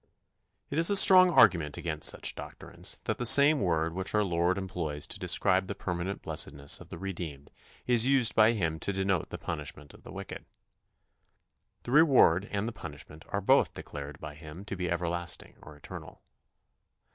It is a strong argument against such doctrines that the same word which our Lord employs to describe the permanent blessedness of the redeemed is used by Him to denote the punishment of the wicked. The reward and the punishment are both declared by Him to be everlasting or eternal.